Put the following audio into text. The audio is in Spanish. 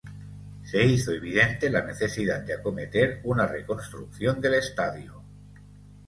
Se hizo evidente la necesidad de acometer una reconstrucción del estadio.